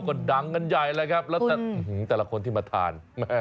ก็ดังกันใหญ่เลยครับแล้วแต่ละคนที่มาทาน